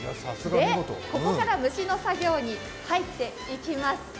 ここから蒸しの作業に入っていきます。